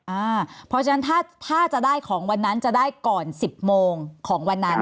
เพราะฉะนั้นถ้าจะได้ของวันนั้นจะได้ก่อน๑๐โมงของวันนั้น